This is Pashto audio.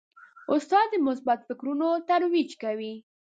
استاد د مثبت فکرونو ترویج کوي.